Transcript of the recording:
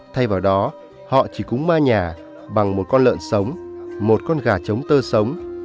thay vào đó họ chỉ cúng mai nhà bằng một con lợn sống một con gà trống tơ sống